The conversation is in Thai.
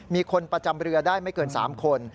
มีคนประจำเรือได้ไม่เกิน๓คน